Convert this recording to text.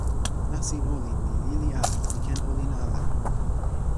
nasin olin li lili a, li ken olin ala.